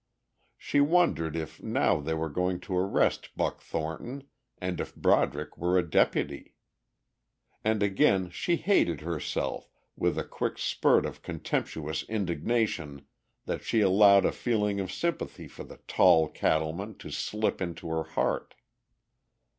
She wondered if now they were going to arrest Buck Thornton and if Broderick were a deputy? And again she hated herself with a quick spurt of contemptuous indignation that she allowed a feeling of sympathy for the tall cattleman to slip into her heart.